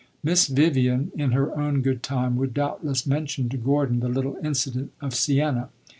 Miss Vivian, in her own good time, would doubtless mention to Gordon the little incident of Siena.